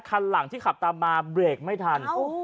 คันหลังที่ขับตามมาเบรกไม่ทัน